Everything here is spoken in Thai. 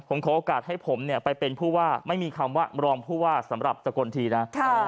ผมขอโอกาสให้ผมเนี่ยไปเป็นผู้ว่าไม่มีคำว่ารองผู้ว่าสำหรับสกลทีนะ